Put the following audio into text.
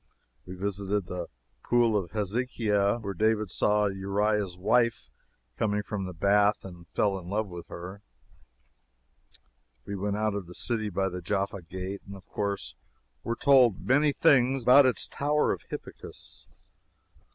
We visited the pool of Hezekiah, where David saw Uriah's wife coming from the bath and fell in love with her. We went out of the city by the Jaffa gate, and of course were told many things about its Tower of Hippicus.